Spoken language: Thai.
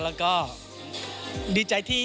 แล้วก็ดีใจที่